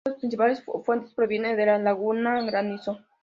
Uno de sus principales afluentes proviene de la laguna Granizo.